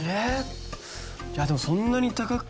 いやでもそんなに高いですか？